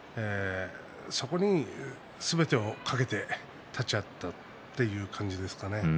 そこにすべてをかけて立ち合ったという感じですかね。